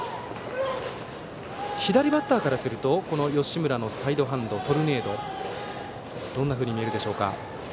左バッターからすると吉村のサイドハンドトルネードは、どんなふうに見えるでしょうか？